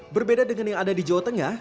berbeda dengan yang ada di jawa tengah